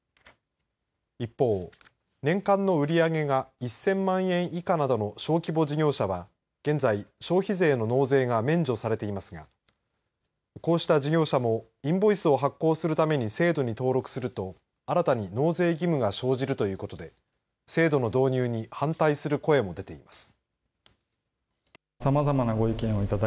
一方、年間の売り上げが１０００万円以下の小規模事業者は現在、消費税の納税が免除されていますがこうした事業者もインボイスを発行するために制度に登録すると、新たに納税義務が生じるということで制度の導入に反対する声も出ています。